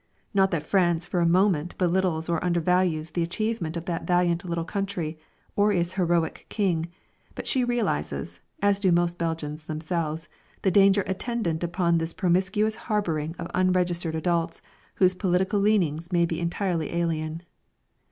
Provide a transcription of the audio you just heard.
Not that France for a moment belittles or undervalues the achievement of that valiant little country or its heroic King, but she realises as do most Belgians themselves the danger attendant upon this promiscuous harbouring of unregistered adults whose political leanings may be entirely alien.